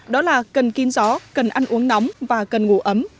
đó là cần kín gió cần ăn uống nóng và cần ngủ ấm